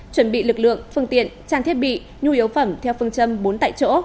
chuẩn bị lực lượng phương tiện trang thiết bị nhu yếu phẩm theo phương châm bốn tại chỗ